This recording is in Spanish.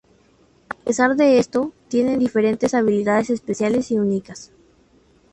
A pesar de esto, tiene diferentes habilidades especiales y únicas.